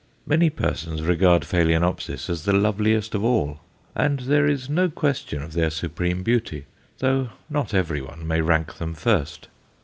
Many persons regard Phaloenopsis as the loveliest of all, and there is no question of their supreme beauty, though not everyone may rank them first.